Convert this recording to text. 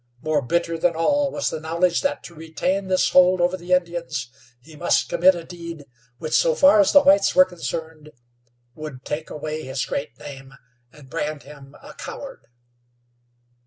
More bitter than all was the knowledge that to retain this hold over the Indians he must commit a deed which, so far as the whites were concerned, would take away his great name, and brand him a coward.